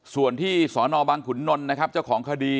ส่วนที่สนบังขุนนลนะครับเจ้าของคดี